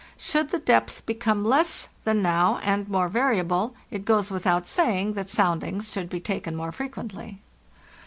Should the depth become less t! in now and more variable, it goes without saying that soundings should be taken more frequently.